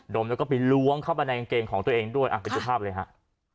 มแล้วก็ไปล้วงเข้าไปในกางเกงของตัวเองด้วยไปดูภาพเลยฮะ